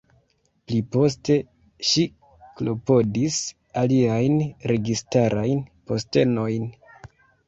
Pliposte, ŝi klopodis aliajn registarajn postenojn.